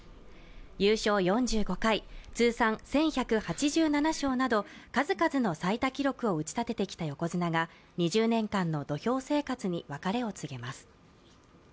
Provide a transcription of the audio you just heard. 優勝４５回、通算１１８７勝など数々の最多記録を打ち立ててきた横綱が２０年間の土俵生活に別れを告げます。